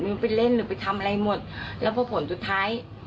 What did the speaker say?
มึงไปเล่นหรือไปทำอะไรหมดแล้วพอผลสุดท้าย